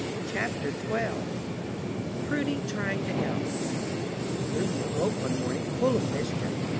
CHAPTER XII PRUDY TRYING TO HELP Prudy awoke one morning full of mischief.